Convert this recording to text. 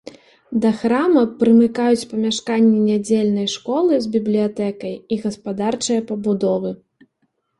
Да храма прымыкаюць памяшканні нядзельнай школы з бібліятэкай і гаспадарчыя пабудовы.